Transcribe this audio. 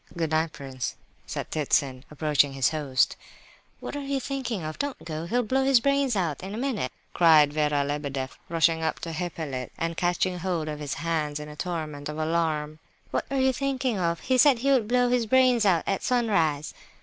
"Good night, prince," said Ptitsin, approaching his host. "What are you thinking of? Don't go, he'll blow his brains out in a minute!" cried Vera Lebedeff, rushing up to Hippolyte and catching hold of his hands in a torment of alarm. "What are you thinking of? He said he would blow his brains out at sunrise."